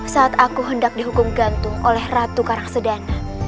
saat aku hendak dihukum gantung oleh ratu karang sedana